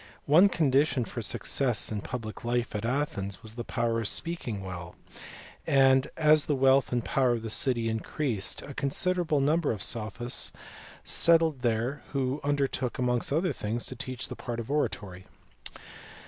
One condition for success in public life at Athens was the power of speaking well, and as the wealth and power of the city increased a considerable number of "sophists" settled there who undertook amongst other things to teach the art of oratory.